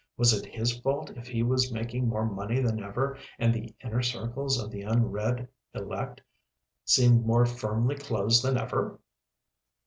Was it his fault if he was making more money than ever and the inner circles of the unread elect seemed more firmly closed than ever?